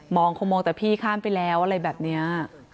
คงมองแต่พี่ข้ามไปแล้วอะไรแบบนี้